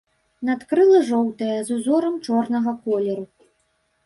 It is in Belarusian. Надкрылы жоўтыя, з узорам чорнага колеру.